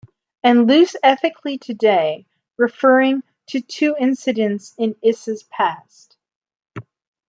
And loose ethically today, referring to two incidents in Issa's past.